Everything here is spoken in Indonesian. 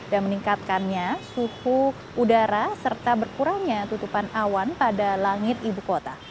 dan meningkatkannya suhu udara serta berkurangnya tutupan awan pada langit ibukota